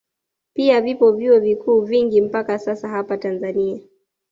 Pia vipo vyuo viku vingi mpaka sasa hapa Tanzania